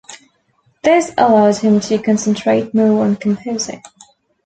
This allowed him to concentrate more on composing.